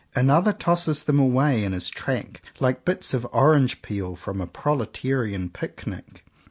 Another tosses them away in his track like bits of orange peel from a proletarian picnic.